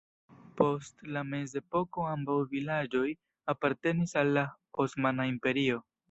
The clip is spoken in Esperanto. Post la mezepoko ambaŭ vilaĝoj apartenis al la Osmana Imperio.